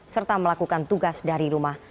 serta melakukan tugas dari rumah